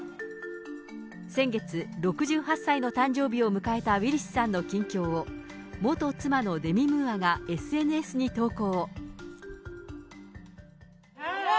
先月、６８歳の誕生日を迎えたウィリスさんの近況を、元妻のデミ・ムーアがＳＮＳに投稿。